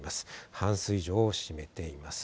半数以上を占めています。